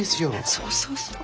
そうそうそう。